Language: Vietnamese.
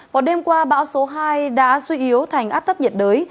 vào đêm qua bão số hai đã suy yếu thành áp thấp nhiệt đới